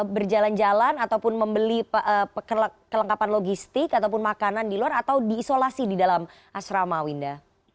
berjalan jalan ataupun membeli kelengkapan logistik ataupun makanan di luar atau diisolasi di dalam asrama winda